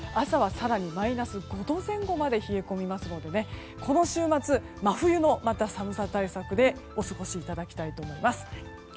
朝は更にマイナス５度前後まで冷え込みますのでこの週末、真冬の寒さ対策でお過ごしいただきたいと思います。